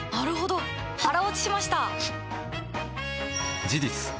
腹落ちしました！